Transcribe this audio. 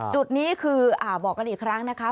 จุดนี้คือบอกกันอีกครั้งนะคะ